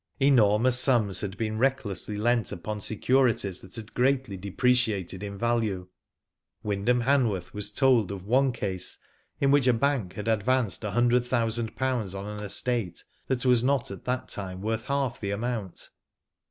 > Enormous sums had been recklessly lent upon securities that had greatly depreciated in value. Wyndham Hanworth was told of one case in which a bank had advanced a hundred thousand pounds on an estate that was not at that time worth half the amount.